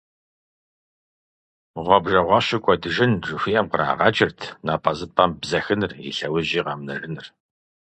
«Гъуэбжэгъуэщу кӀуэдыжын» жыхуиӏэм кърагъэкӏырт напӀэзыпӀэм бзэхыныр, и лъэужьи къэмынэжыныр.